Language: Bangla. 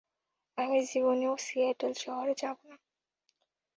আমি জীবনেও সিয়াটল শহরে যাবো না।